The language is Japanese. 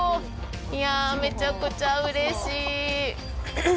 いや、めちゃくちゃうれしい。